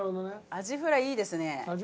アジフライいいね。